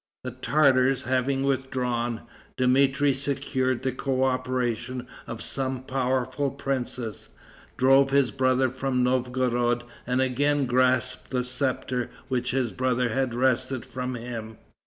The Tartars, having withdrawn, Dmitri secured the coöperation of some powerful princes, drove his brother from Novgorod, and again grasped the scepter which his brother had wrested from him.